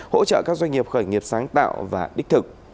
hỗ trợ các doanh nghiệp khởi nghiệp sáng tạo và đích thực